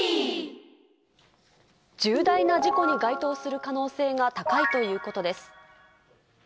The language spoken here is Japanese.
重大な事故に該当する可能性が高いということです。